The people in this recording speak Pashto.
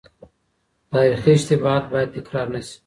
تاريخي اشتباهات بايد تکرار نه سي.